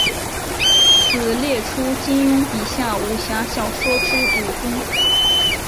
此列出金庸笔下武侠小说之武功。